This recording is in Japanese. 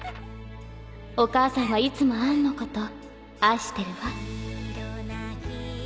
お母さんはいつもアンのこと愛してるわ」。